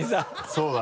そうだね。